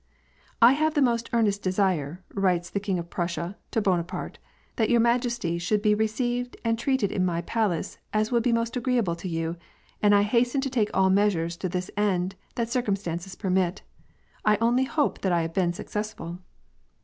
" I have the most earnest desire/' writes the King of Prussia, to Bona parte, 'Hhat your majesty should he received and treated in my palace as would be most agreeable to you, and I hasten to take all measures to this end that circumstances permit. I only hope that I liave been successful